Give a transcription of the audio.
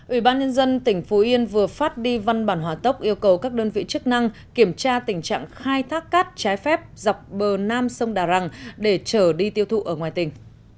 ủy ban nhân dân tỉnh phú yên vừa phát đi văn bản hỏa tốc yêu cầu các đơn vị chức năng kiểm tra tình trạng khai thác cát trái phép dọc bờ nam sông đà răng để trở đi tiêu thụ ở ngoài tỉnh